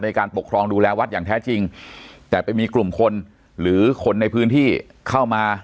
ในการปกครองดูแลวัดอย่างแท้จริงแต่ไปมีกลุ่มคนหรือคนในพื้นที่เข้ามา